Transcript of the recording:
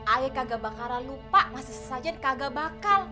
ayah kagak bakalan lupa masa sajen kagak bakal